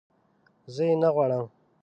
زه یې نه غواړم